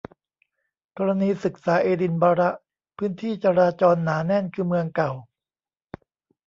กรณีศึกษา เอดินบะระ พื้นที่จราจรหนาแน่นคือเมืองเก่า